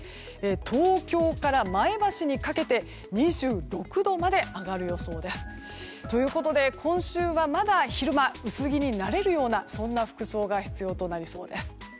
東京から前橋にかけて２６度まで上がる予想です。ということで今週はまだ昼間、薄着になれるようなそんな服装が必要となりそうです。